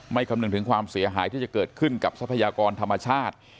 คำนึงถึงความเสียหายที่จะเกิดขึ้นกับทรัพยากรธรรมชาติ